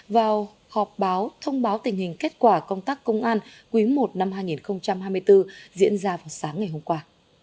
vào họp báo thông báo tình hình kết quả công tác công an quý i năm hai nghìn hai mươi bốn diễn ra vào sáng ngày hôm qua